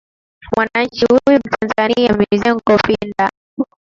mwananchi huyu mtanzania mizengo pinda